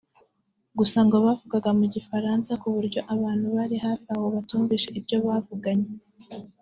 gusa ngo bavugaga mu Gifaransa ku buryo abantu bari hafi aho batumvise ibyo bavuganye